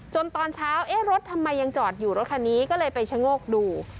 ตอนเช้าเอ๊ะรถทำไมยังจอดอยู่รถคันนี้ก็เลยไปชะโงกดู